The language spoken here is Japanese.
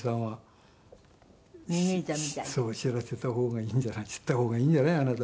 知らせた方がいいんじゃない知った方がいいんじゃないあなた。